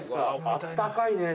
あったかいね。